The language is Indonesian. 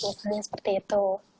misalnya seperti itu